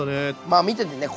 まあ見ててね。